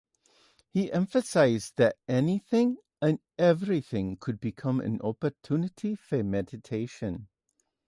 He emphasised that anything and everything could become an opportunity for meditation.